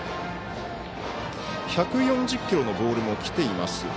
１４０キロのボールもきています。